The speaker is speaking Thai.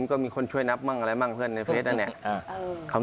คือตลาดคนพอเอาแล้วก็เหมือนกับ